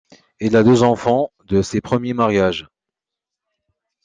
Il a deux enfants de ses premiers mariages.